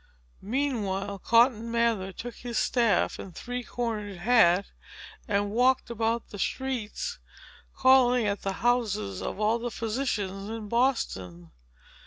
Meanwhile, Cotton Mather took his staff and three cornered hat, and walked about the streets, calling at the houses of all the physicians in Boston.